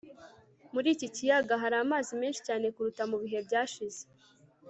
muri iki kiyaga hari amazi menshi cyane kuruta mu bihe byashize